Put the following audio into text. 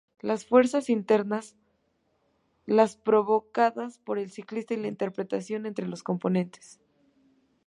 Las fuerzas internas las provocadas por el ciclista y la interacción entre los componentes.